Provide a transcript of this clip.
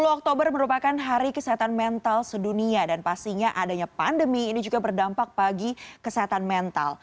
sepuluh oktober merupakan hari kesehatan mental sedunia dan pastinya adanya pandemi ini juga berdampak bagi kesehatan mental